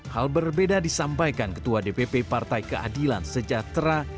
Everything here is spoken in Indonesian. hal berbeda disampaikan ketua dpp partai keadilan sejahtera